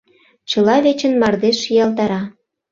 Чыла вечын мардеж шиялтара.